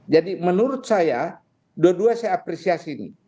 jadi menurut saya dua dua saya apresiasi ini